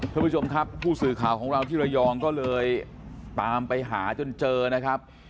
ท่านผู้ชมครับผู้สื่อข่าวของเราที่ระยองก็เลยตามไปหาจนเจอนะครับ